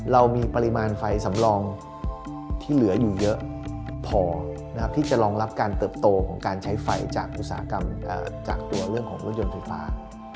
เรามีปริมาณไฟสำรองที่เหลืออยู่เยอะพอนะครับที่จะรองรับการเติบโตของการใช้ไฟจากอุตสาหกรรมจากตัวเรื่องของรถยนต์ไฟฟ้า